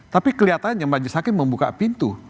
tapi kelihatannya majelis hakim membuka pintu